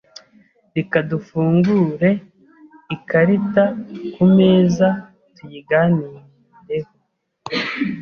Reka dufungure ikarita kumeza tuyiganireho.